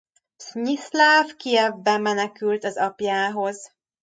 Msztyiszláv Kijevbe menekült az apjához.